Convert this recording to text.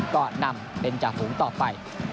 ก็นำเป็นจ่าฝูงต่อไป